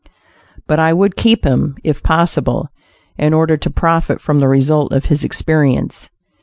But I would keep him, if possible, in order to profit from the result of his experience.